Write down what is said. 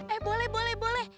eh boleh boleh boleh